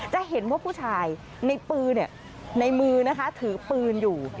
จะเห็นว่าผู้ชายในมือถือปืนอยู่